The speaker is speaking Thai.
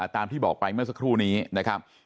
ตามที่บอกไปเมื่อสักครู่นี้นะครับ